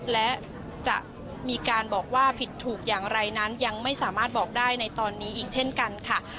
และจะมีการบอกว่าผิดถูกอย่างไรนั้นยังไม่สามารถบอกได้ในตอนนี้อีกเช่นกันค่ะ